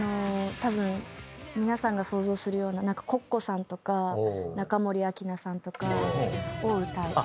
たぶん皆さんが想像するようなＣｏｃｃｏさんとか中森明菜さんとかを。